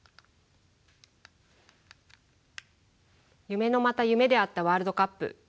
夢のまた夢であったワールドカップ。